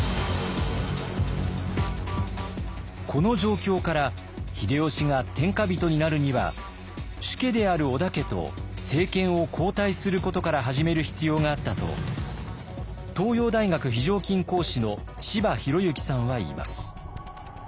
この状況から秀吉が天下人になるには主家である織田家と政権を交代することから始める必要があったと東洋大学非常勤講師の柴裕之さんは言います。